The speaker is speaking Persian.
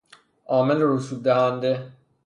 عامل رسوب دهنده